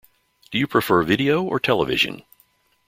Do you prefer video or television?